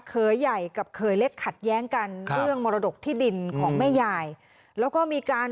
เคยใหญ่กับเคยเล็กขัดแย้งกันเรื่องมรดกที่ดินของแม่ยายแล้วก็มีการ